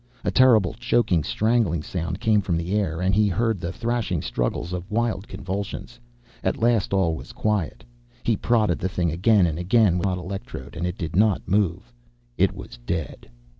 A terrible choking, strangling sound came from the air. And he heard the thrashing struggles of wild convulsions. At last all was quiet. He prodded the thing again and again with the hot electrode, and it did not move. It was dead.